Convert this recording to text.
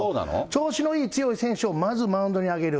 調子のいい強い選手を、まずマウンドに上げる。